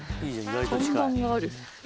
看板がある？